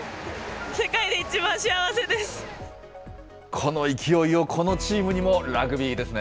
この勢いをこのチームにも、ラグビーですね。